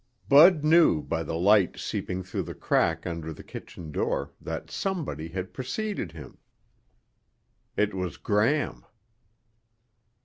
Bud knew by the light seeping through the crack under the kitchen door that somebody had preceded him. It was Gram.